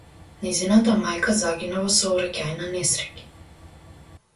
Нејзината мајка загина во сообраќајна несреќа.